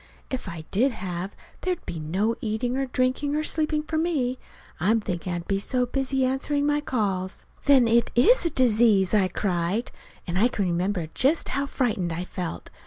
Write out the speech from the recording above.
If I did have, there'd be no eating or drinking or sleeping for me, I'm thinking I'd be so busy answering my calls." "Then it is a disease!" I cried. And I can remember just how frightened I felt.